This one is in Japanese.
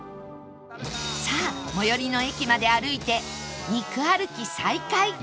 さあ最寄りの駅まで歩いて肉歩き再開